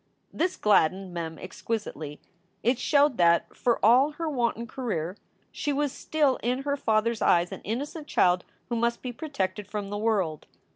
This gladdened Mem exquisitely. It showed that, for all her wanton career, she was still in her father s eyes an innocent child who must be protected from the world.